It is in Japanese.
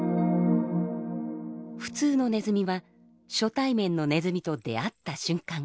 普通のネズミは初対面のネズミと出会った瞬間